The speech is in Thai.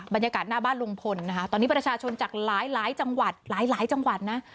บรรยากาศหน้าบ้านลุงพลนะคะตอนนี้ประชาชนจากหลายจังหวัดหลายจังหวัดนะ